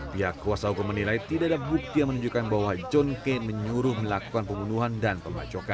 pihak kuasa hukum menilai tidak ada bukti yang menunjukkan bahwa john kay menyuruh melakukan pembunuhan dan pemacokan